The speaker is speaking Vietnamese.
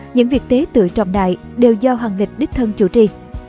những việc tế tự trọng đại đều do hoàng lịch đích thân chủ trì